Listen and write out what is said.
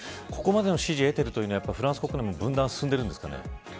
ここまでの支持を得ているのはフランス国民の分断が進んでるんですかね。